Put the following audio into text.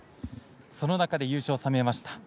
その中で優勝を収めました。